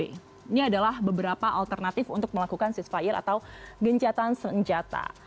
ini adalah beberapa alternatif untuk melakukan sisfire atau gencatan senjata